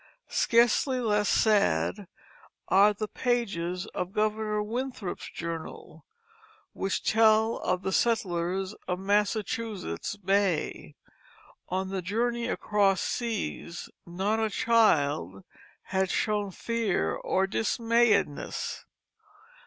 Scarcely less sad are the pages of Governor Winthrop's journal, which tell of the settlers of Massachusetts Bay. On the journey across seas not a child "had shown fear or dismayedness."